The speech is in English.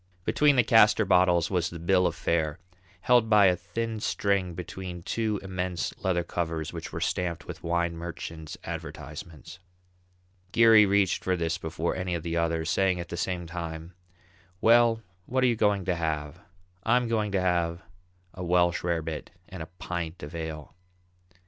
Between the castor bottles was the bill of fare, held by a thin string between two immense leather covers which were stamped with wine merchants' advertisements. Geary reached for this before any of the others, saying at the same time, "Well, what are you going to have? I'm going to have a Welsh rabbit and a pint of ale."